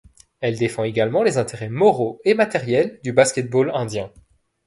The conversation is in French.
Elle défend également les intérêts moraux et matériels du basket-ball indien.